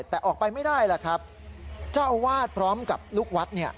แต่ออกไปไม่ได้ล่ะครับเจ้าอาวาสพร้อมกับลูกวัดเนี่ย